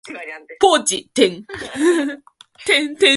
ポーチ、